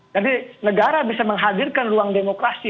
jadi negara bisa menghadirkan ruang demokrasi